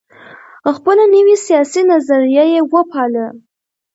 خپله نوي سیاسي نظریه یې وپالله.